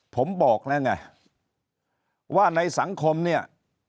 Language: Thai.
ผมบอกแล้วไงว่าในสังคมเนี่ย